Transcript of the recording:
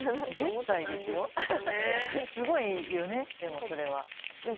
すごいよねでもそれは。